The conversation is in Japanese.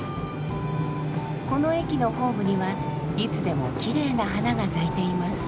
この駅のホームにはいつでもきれいな花が咲いています。